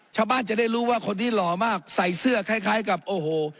ชาวบ้านจะได้รู้ว่าคนนี้หล่อมากใส่เสื้อคล้ายกับโอ้โห